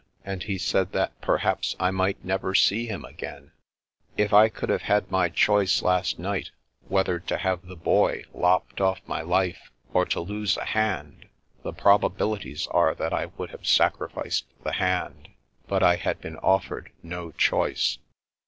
And he said that perhaps I might never see him again ! If I could have had my choice last night, whether to have the Boy lopped oflF my life, or to lose a hand, the probabilities are that I would have sacrificed the hand. But I had been offered no choice.